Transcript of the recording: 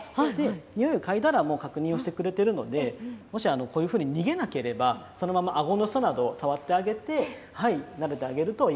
匂い嗅いだらもう確認をしてくれてるので、もしこういうふうに逃げなければ、そのままあごの下など触ってあげて、なでてあげ